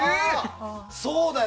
そうだよ！